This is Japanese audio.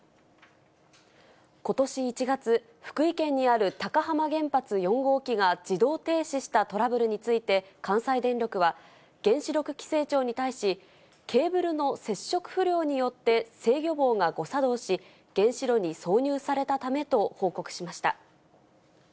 ことし１月、福井県にある高浜原発４号機が自動停止したトラブルについて、関西電力は、原子力規制庁に対し、ケーブルの接触不良によって制御棒が誤作動し、原子炉に挿入されたためと報告しました。